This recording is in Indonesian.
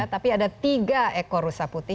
tapi ada tiga ekor rusa putih